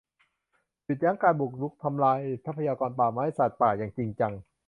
หยุดยั้งการบุกรุกทำลายทรัพยากรป่าไม้ สัตว์ป่า อย่างจริงจัง